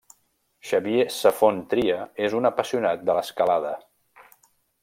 Xavier Safont-Tria és un apassionat de l'escalada.